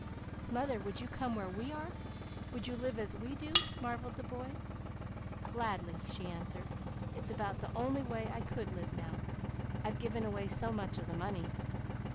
"Mother, would you come where we are? Would you live as we do?" marvelled the boy. "Gladly," she answered. "It's about the only way I could live now, I've given away so much of the money."